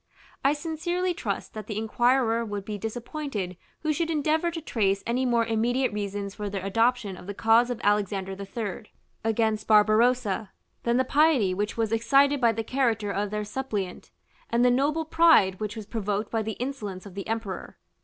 I sincerely trust that the inquirer would be disappointed who should endeavor to trace any more immediate reasons for their adoption of the cause of Alexander III. against Barbarossa, than the piety which was excited by the character of their suppliant, and the noble pride which was provoked by the insolence of the emperor.